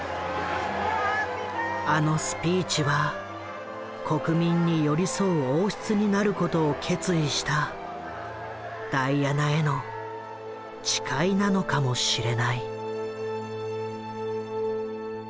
あのスピーチは国民に寄り添う王室になることを決意したダイアナへの誓いなのかもしれない。